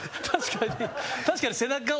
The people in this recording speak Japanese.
確かに。